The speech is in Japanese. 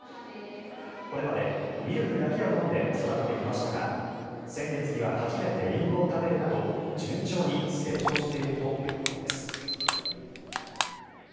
これまでミルクだけを飲んで育ってきましたが先月には初めてリンゴを食べるなど順調に成長しているということです。